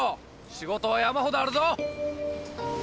仕事は山ほどあるぞ。